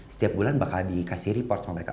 setiap bulan bakal dikasih report sama mereka